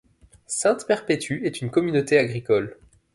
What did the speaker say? Sainte-Perpétue est une communauté agricole.